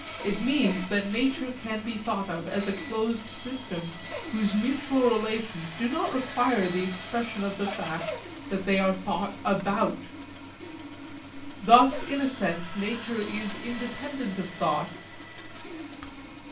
It means that nature can be thought of as a closed system whose mutual relations do not require the expression of the fact that they are thought about. Thus in a sense nature is independent of thought.